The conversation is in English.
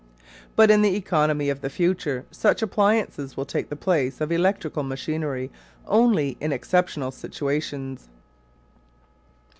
But in the economy of the future such appliances will take the place of electrical machinery only in exceptional situations.